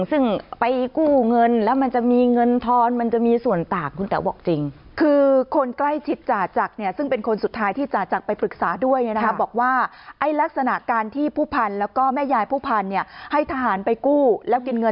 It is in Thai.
ซึ่งไปกู้เงินแล้วมันจะมีมีเงินทอนส่วนต่างคุณแต๋วบอกจริง